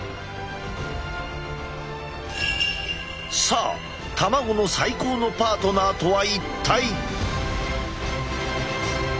さあ卵の最高のパートナーとは一体？